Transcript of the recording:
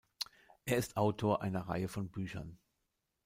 Er ist Autor einer Reihe von Büchern.